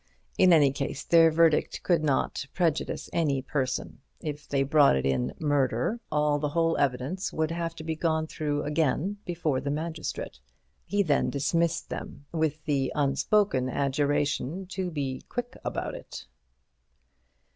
In any case, their verdict could not prejudice any person; if they brought it in "murder," all the whole evidence would have to be gone through again before the magistrate. He then dismissed them, with the unspoken adjuration to be quick about it.